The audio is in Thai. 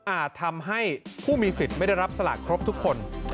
อาจทำให้ผู้มีสิทธิ์ไม่ได้รับสลากครบทุกคน